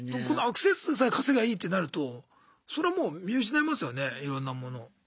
このアクセス数さえ稼げばいいってなるとそれはもう見失いますよねいろんなもの。